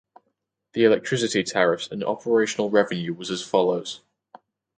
The electricity tariffs and operational revenue was as follows.